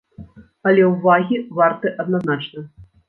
Але ўвагі варты адназначна.